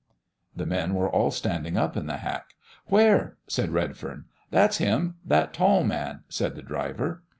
The men were all standing up in the hack. "Where?" said Redfern. "That's Him that tall man," said the driver.